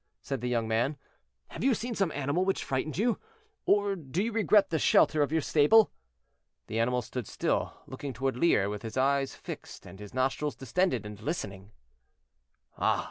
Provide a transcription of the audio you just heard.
said the young man; "have you seen some animal which frightened you, or do you regret the shelter of your stable?" The animal stood still, looking toward Lier, with his eyes fixed and his nostrils distended, and listening. "Ah!"